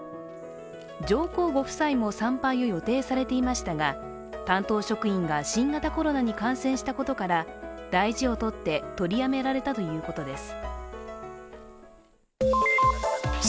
上皇ご夫妻も参拝を予定されていましたが担当職員が新型コロナに感染したことから大事をとって、取りやめられたということです。